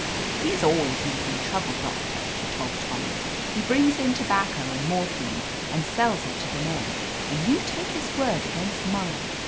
"He's always making trouble. Doctor," she told Tommy. "He brings in tobacco and mor phine and sells it to the men, and you take his word against mine